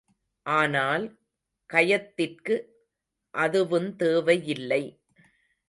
ஆனால் கயத்திற்கு அதுவுந்தேவையில்லை.